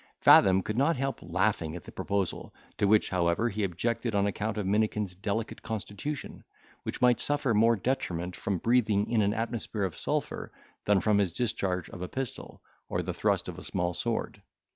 Fathom could not help laughing at the proposal, to which, however, he objected on account of Minikin's delicate constitution, which might suffer more detriment from breathing in an atmosphere of sulphur than from the discharge of a pistol, or the thrust of a small sword.